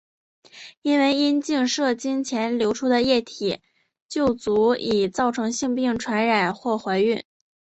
因为阴茎射精前流出的液体就足以造成性病传染或怀孕。